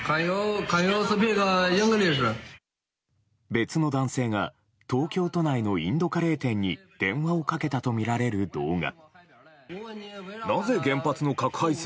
別の男性が東京都内のインドカレー店に電話をかけたとみられる動画。